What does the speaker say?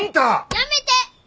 やめて！